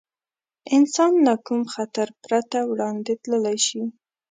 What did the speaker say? انسان له کوم خطر پرته وړاندې تللی شي.